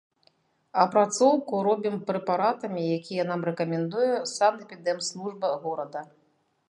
Апрацоўку робім прэпаратамі, якія нам рэкамендуе санэпідэмслужба горада.